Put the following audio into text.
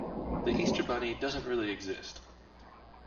The Easter Bunny doesn’t really exist.